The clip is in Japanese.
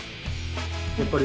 やっぱり。